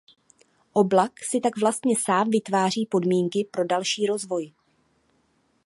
Oblak si tak vlastně sám vytváří podmínky pro další rozvoj.